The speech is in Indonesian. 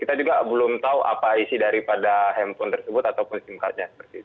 kita juga belum tahu apa isi daripada handphone tersebut ataupun sim cardnya